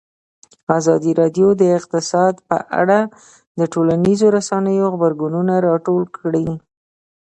ازادي راډیو د اقتصاد په اړه د ټولنیزو رسنیو غبرګونونه راټول کړي.